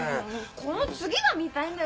この次が見たいんだよ。